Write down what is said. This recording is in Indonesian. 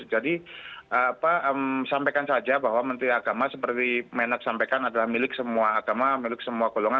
jadi sampaikan saja bahwa menteri agama seperti menak sampaikan adalah milik semua agama milik semua golongan